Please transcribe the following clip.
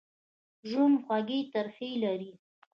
ژوند خوږې ترخې لري.